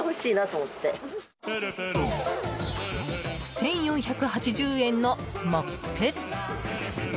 １４８０円のモップ。